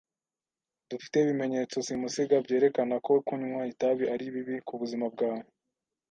Dufite ibimenyetso simusiga byerekana ko kunywa itabi ari bibi kubuzima bwawe.